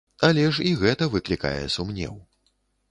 Але ж і гэта выклікае сумнеў.